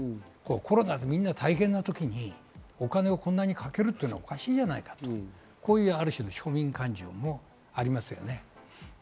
コロナでみんな大変なときにお金をこんなにかけるというのはおかしいじゃないかという、ある種の庶民感情もあります。